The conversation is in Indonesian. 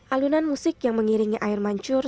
alunan musik yang mengiringi air mancur